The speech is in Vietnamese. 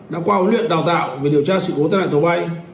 đã qua huấn luyện đào tạo về điều tra sự cố tên là tổ bay